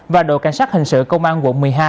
và đội cảnh sát hình sự công an quận một mươi hai